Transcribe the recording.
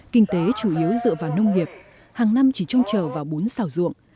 kinh tế chủ yếu dựa vào nông nghiệp hàng năm chỉ trông chờ vào bốn xào ruộng